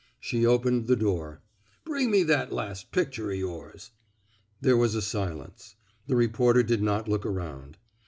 She opened the door. Bring me that last picture o* yours.*' There was a silence. The reporter did not look around.